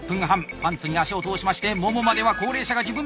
パンツに足を通しましてももまでは高齢者が自分でアップ！